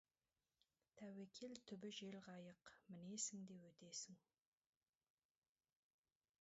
Тәуекел түбі — жел қайық, мінесің де өтесің.